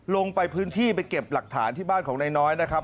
ลงไปพื้นที่ไปเก็บหลักฐานที่บ้านของนายน้อยนะครับ